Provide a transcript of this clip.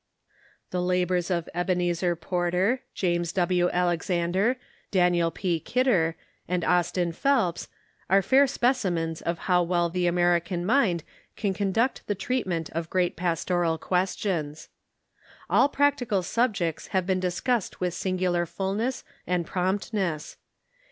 The labors of Ebenezer Porter, James W. Alexander, Daniel P. Kidder, and Austin Phelps are fair specimens of hoAv well the American THEOLOGICAL SCIIOLAKSHIP 637 mind can conduct the treatment of great jiastoral questions. All practical subjects have been discussed with singular fulness and promptness.